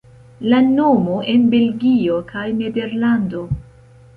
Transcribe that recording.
La nomo en Belgio kaj Nederlando.